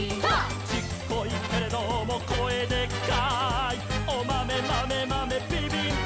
「ちっこいけれどもこえでっかい」「おまめまめまめビビンビン」